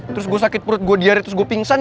terus gue sakit perut gue diarit terus gue pingsan